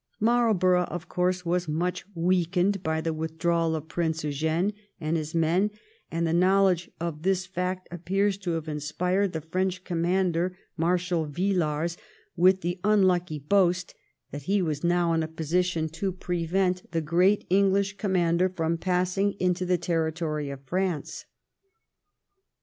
Marlborough, of course, was much weakened by the withdrawal of Prince Eugene and his men, and the knowledge of this fact appears to have inspired the French commander, Marshal Villars, with the unlucky boast that he was 1710 THE CAPTURE OF BOUOHAIN. 45 now in the position to prevent the great English commander from passing into the territory of France.